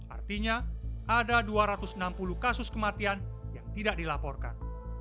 artinya ada dua ratus enam puluh kasus kematian yang tidak dilaporkan